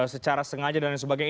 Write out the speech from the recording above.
secara sengaja dan sebagainya